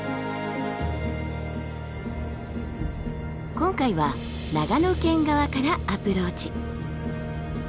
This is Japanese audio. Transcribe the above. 今回は長野県側からアプローチ。